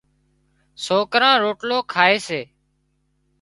سوڪران روٽلو کائي سي